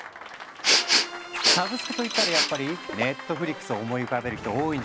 サブスクといったらやっぱりＮＥＴＦＬＩＸを思い浮かべる人多いんじゃないですか？